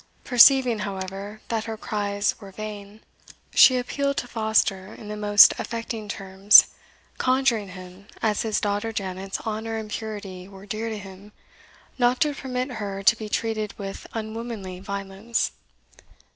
Perceiving, however, that her cries were vain, she appealed to Foster in the most affecting terms, conjuring him, as his daughter Janet's honour and purity were dear to him, not to permit her to be treated with unwomanly violence.